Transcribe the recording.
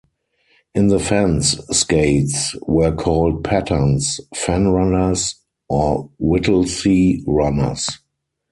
In the Fens skates were called pattens, fen runners, or Whittlesey runners.